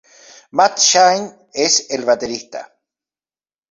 Matt Shane es el baterista.